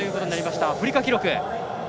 アフリカ記録。